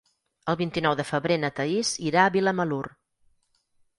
El vint-i-nou de febrer na Thaís irà a Vilamalur.